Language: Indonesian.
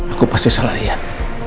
aku pasti salah lihat